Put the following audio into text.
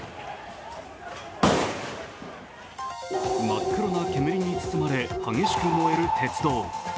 真っ黒な煙に包まれ、激しく燃える鉄道。